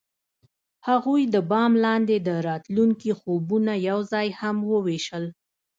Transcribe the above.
هغوی د بام لاندې د راتلونکي خوبونه یوځای هم وویشل.